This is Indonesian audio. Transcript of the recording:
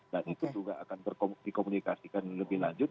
dan itu juga akan dikomunikasikan lebih lanjut